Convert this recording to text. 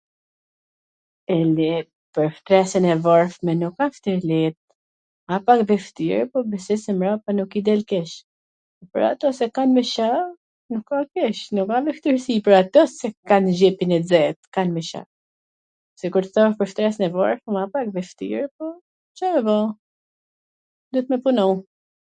e let, pwr shtreswn e varfwn nuk asht e let, a pak vwshtir, po besoj se mrapa nuk i del keq, pwr ato se kan me qera, nuk a keq, ka mw vwshtirsi pwr ato si kan xhepin e xet, kan mw shum, se kur asht pwr shtreswn e varfwr, asht pak vwshtir, po Ca me bo, duhet me punu...